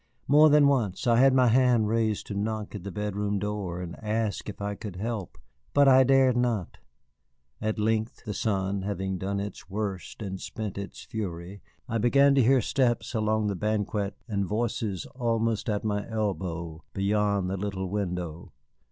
More than once I had my hand raised to knock at the bedroom door and ask if I could help, but I dared not; at length, the sun having done its worst and spent its fury, I began to hear steps along the banquette and voices almost at my elbow beyond the little window.